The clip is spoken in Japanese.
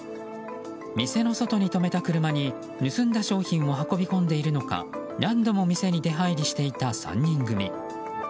店の外に止めた車に盗んだ商品を運び込んでいるのか、何度も店に出入りしていた３人組。